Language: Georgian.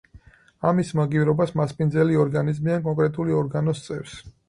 ამის მაგივრობას მასპინძელი ორგანიზმი ან კონკრეტული ორგანო სწევს.